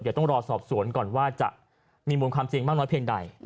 เดี๋ยวต้องรอสอบสวนก่อนว่าจะมีมูลความจริงมากน้อยเพียงใด